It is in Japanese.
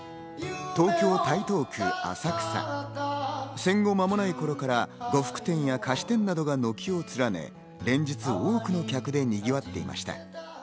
戦後まもないころから呉服店や菓子店などが軒を連ね、連日多くの客でにぎわっていました。